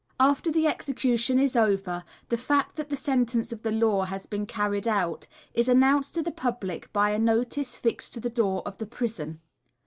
After the execution is over the fact that the sentence of the law has been carried out is announced to the public by a notice fixed to the door of the prison.